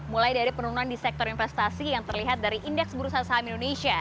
mulai dari penurunan di sektor investasi yang terlihat dari indeks bursa saham indonesia